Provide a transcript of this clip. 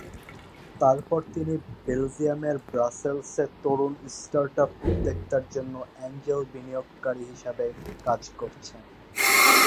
তারপর থেকে তিনি বেলজিয়ামের ব্রাসেলসে তরুণ স্টার্টআপ উদ্যোক্তাদের জন্য অ্যাঞ্জেল বিনিয়োগকারী হিসাবে কাজ করছেন।